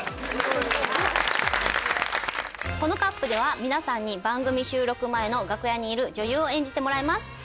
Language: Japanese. このＣＵＰでは皆さんに番組収録前の楽屋にいる女優を演じてもらいます。